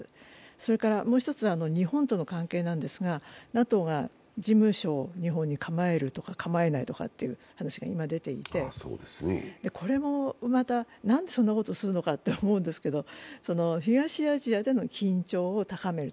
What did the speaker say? それから、もう一つ日本との関係なんですがＮＡＴＯが事務所を日本に構えるとか構えないという話が今出ていて、これもまた、なんでそんなことするのかって思うんですけれども東アジアでも緊張を高める。